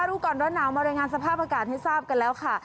รู้ก่อนร้อนหนาวมารายงานสภาพอากาศให้ทราบกันแล้วค่ะ